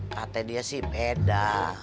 kata dia sih beda